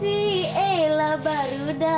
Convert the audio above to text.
hehehe lah cantrik banget ya